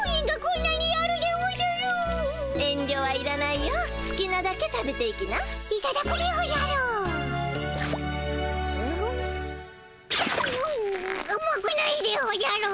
んあまくないでおじゃる！